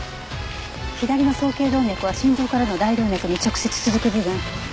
左の総頸動脈は心臓からの大動脈に直接続く部分。